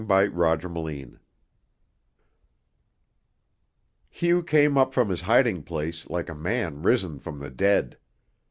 CHAPTER VIII Hugh came up from his hiding place like a man risen from the dead.